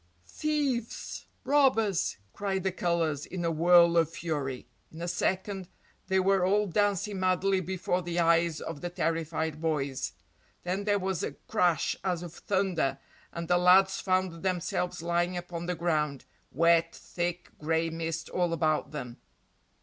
"Thieves! Robbers!" cried the colours in a whirl of fury. In a second they were all dancing madly before the eyes of the terrified boys. Then there was a crash as of thunder and the lads found themselves lying upon the ground, wet, thick, gray mist all about them.